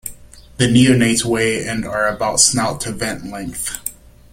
The neonates weigh and are about snout to vent length.